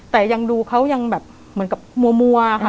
แต่ดูเขายังเหมือนกับมั่วค่ะ